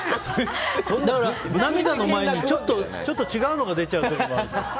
涙の前にちょっと違うのが出ちゃう時もある。